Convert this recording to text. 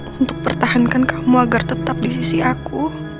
untuk pertahankan kamu agar tetap di sisi aku